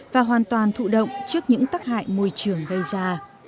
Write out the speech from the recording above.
và hoàn toàn thụ động trước những tắc hại môi trường gây ra